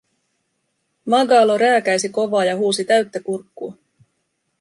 Magalo rääkäisi kovaa ja huusi täyttä kurkkua: